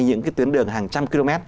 những cái tuyến đường hàng trăm km